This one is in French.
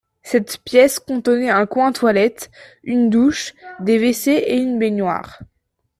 Cette pièce contenait un coin toilette, une douche, des WC et une baignoire.